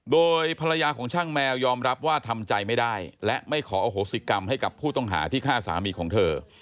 โดยภรรยาของช่างแมวยอมรับว่าทำใจไม่ได้และไม่ขออโหสิกรรมให้กับผู้ต้องหาที่ฆ่าสามีของเธอ